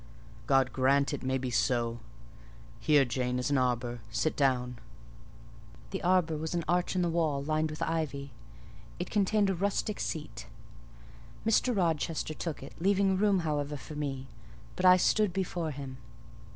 "God grant it may be so! Here, Jane, is an arbour; sit down." The arbour was an arch in the wall, lined with ivy; it contained a rustic seat. Mr. Rochester took it, leaving room, however, for me: but I stood before him.